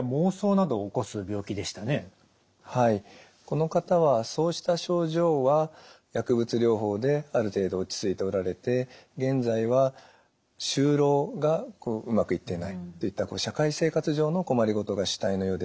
この方はそうした症状は薬物療法である程度落ち着いておられて現在は就労がうまくいってないといった社会生活上の困りごとが主体のようですね。